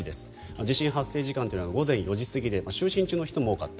地震発生時間というのは午前４時過ぎで就寝中の人も多かった。